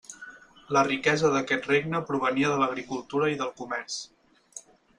La riquesa d'aquest regne provenia de l'agricultura i del comerç.